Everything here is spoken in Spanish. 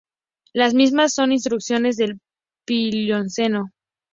Las mismas son intrusiones del Plioceno.